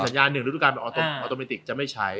สัญญาณหนึ่งฤทธิการออโตเมนติกจะไม่ใช้